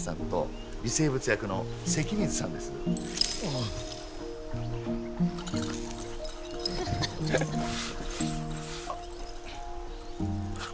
あっ。